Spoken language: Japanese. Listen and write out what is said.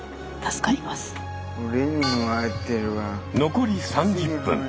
残り３０分。